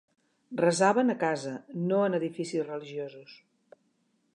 Resaven a casa, no en edificis religiosos.